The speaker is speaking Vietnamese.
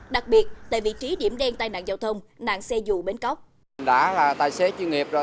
đặc biệt tại vị trí điểm đen tai nạn giao thông nạn xe dù bến cóc